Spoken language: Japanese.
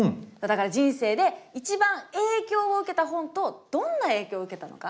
だから人生で一番影響を受けた本とどんな影響を受けたのか是非教えて下さい。